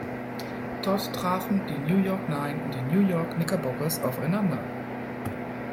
Dort trafen die New York Nine und die New York Knickerbockers aufeinander.